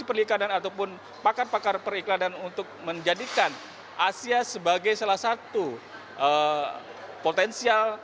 mereka juga mencari pilihan atau pakar pakar periklanan untuk menjadikan asia sebagai salah satu potensial